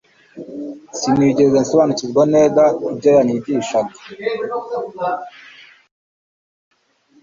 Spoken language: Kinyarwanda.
sinigeze nsobanukirwa neza ibyo yanyigishaga.